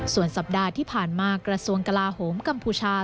ส่วนสัปดาห์ที่ผ่านมากระทรวงกลาโหมกัมพูชา